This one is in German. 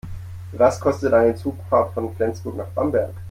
Was kostet eine Zugfahrt von Flensburg nach Bamberg?